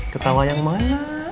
ketawa yang mana